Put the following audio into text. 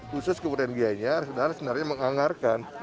khusus kebudayaan biayanya sebenarnya menganggarkan